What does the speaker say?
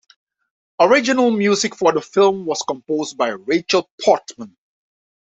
Original music for the film was composed by Rachel Portman.